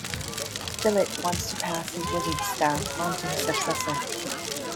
Billet wants to pass his wizard's staff on to his successor.